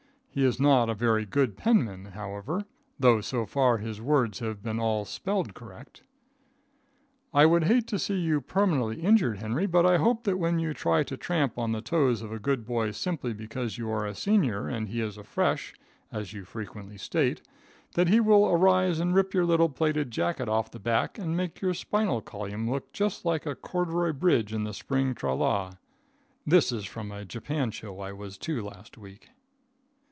He is not a very good penman, however; though, so far, his words have all been spelled correct. I would hate to see you permanently injured, Henry, but I hope that when you try to tramp on the toes of a good boy simply because you are a seanyour and he is a fresh, as you frequently state, that he will arise and rip your little pleated jacket up the back and make your spinal colyum look like a corderoy bridge in the spring tra la. (This is from a Japan show I was to last week.)